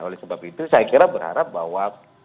oleh sebab itu saya kira berharap bahwa